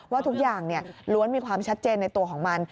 ว่าทุกอย่างล้วนมีความชัดเจนในตัวของมัน